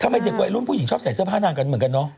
เด็กวัยรุ่นผู้หญิงชอบใส่เสื้อผ้านางกันเหมือนกันเนอะ